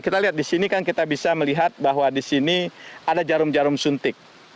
kita lihat di sini kan kita bisa melihat bahwa di sini ada jarum jarum suntik